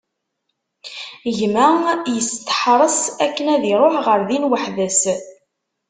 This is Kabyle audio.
Gma yesteḥres akken ad iruḥ ɣer din weḥd-s.